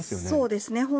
そうですね。